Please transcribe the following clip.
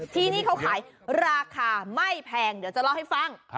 ที่นี่เขาขายราคาไม่แพงเดี๋ยวจะเล่าให้ฟัง